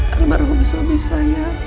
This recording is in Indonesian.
almarhum suami saya